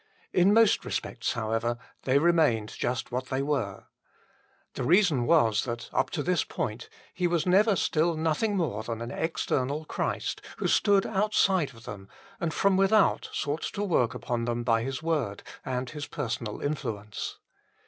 In most respects, however, they remained just what they were. The reason was that up to this point He was ever still nothing more than an external Christ who stood outside of them and from without sought to work upon them by His word and His personal influence.